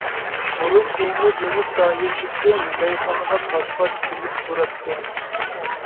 -بۇرۇن ئۇمۇ دېڭىز ساھىلدىكى مەيخانىغا پات-پات كېلىپ تۇراتتى.